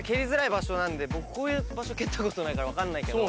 僕こういう場所蹴ったことないから分かんない。